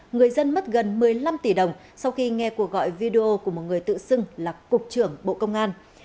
người dân mất gần một mươi năm tỷ đồng sau khi nghe cuộc gọi video của một người tự xưng là cục trưởng bộ công an